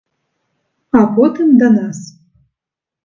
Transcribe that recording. А потым да нас.